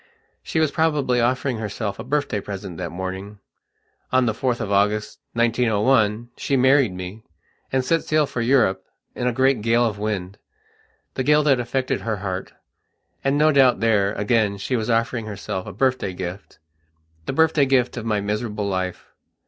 She was probably offering herself a birthday present that morning.... On the 4th of August, 1901, she married me, and set sail for Europe in a great gale of windthe gale that affected her heart. And no doubt there, again, she was offering herself a birthday giftthe birthday gift of my miserable life.